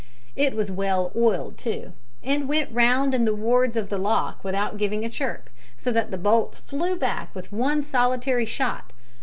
It was well oiled too, and went round in the wards of the lock without giving a chirp, so that the bolt flew back with one solitary shot.